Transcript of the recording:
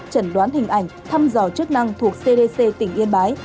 chẩn đoán hình ảnh thăm dò chức năng thuộc cdc tỉnh yên bái